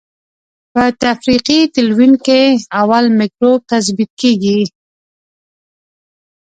په تفریقي تلوین کې اول مکروب تثبیت کیږي.